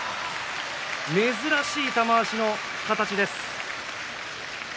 珍しい玉鷲の勝ちです。